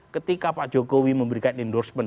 ketika pak jokowi memberikan endorsement